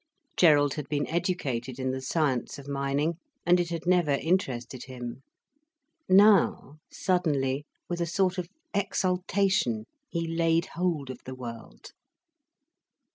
Gerald had been educated in the science of mining, and it had never interested him. Now, suddenly, with a sort of exultation, he laid hold of the world.